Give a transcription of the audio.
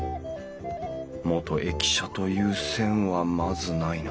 元駅舎という線はまずないな。